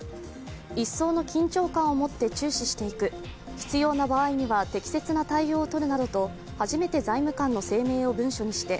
一層の緊張感をもって注視していく、必要な場合には適切な対応をとるなどと、初めて財務官の声明を文書にして